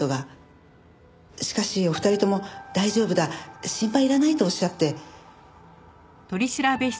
しかしお二人とも大丈夫だ心配いらないとおっしゃって。